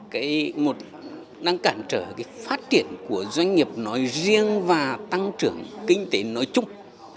cái một đang cản trở cái phát triển của doanh nghiệp nói riêng và tăng trưởng kinh tế nói chung